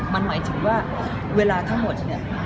มันหมายถึงว่าเวลาทั้งหมดเนี่ย